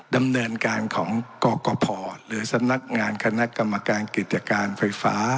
ดำเนินการของกกพหรือสำนักงานคณะกรรมการกิจการไฟฟ้า